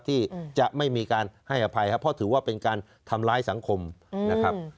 ที่จะไม่มีการให้อภัยครับเพราะถือว่าเป็นการทำร้ายสังคมนะครับ